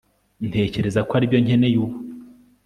Ntekereza ko aribyo nkeneye ubu